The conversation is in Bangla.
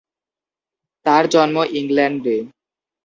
তার জন্ম ইংল্যান্ডে।